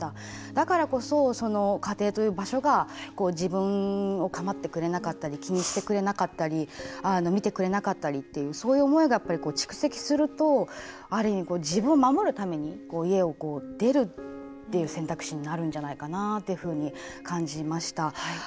だからこそ、家庭という場所が自分を構ってくれなかったり気にしてくれなかったり見てくれなかったりっていうそういう思いが蓄積するとある意味、自分を守るために家を出るっていう選択肢になるんじゃないかなと感じました。